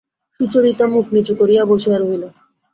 সুচরিতা মুখ নিচু করিয়া বসিয়া রহিল।